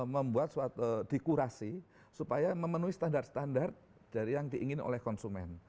membuat suatu dekurasi supaya memenuhi standar standar dari yang diingin oleh konsumen